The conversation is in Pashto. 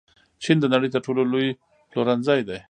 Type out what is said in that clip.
چین د نړۍ تر ټولو لوی پلورنځی دی.